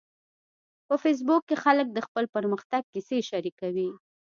په فېسبوک کې خلک د خپل پرمختګ کیسې شریکوي